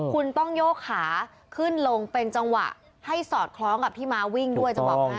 คุณต้องโยกขาขึ้นลงเป็นจังหวะให้สอดคล้องกับที่ม้าวิ่งด้วยจะบอกให้